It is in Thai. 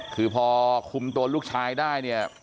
คือพอคุมตัวลูกชายได้